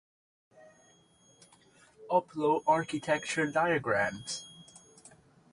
Upload architecture diagrams